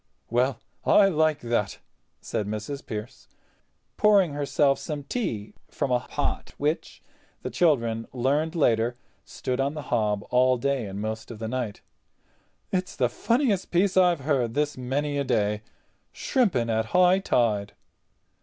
"Well, I like that," said Mrs. Pearce, pouring herself some tea from a pot which, the children learned later, stood on the hob all day and most of the night; "it's the funniest piece I've heard this many a day. Shrimping at high tide!"